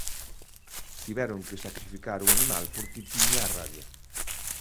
Tiveron que sacrificar o animal porque tiña a rabia.